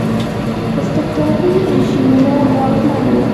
استبدادي رژیمونه واکمن وو.